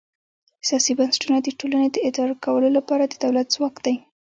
سیاسي بنسټونه د ټولنې د اداره کولو لپاره د دولت ځواک دی.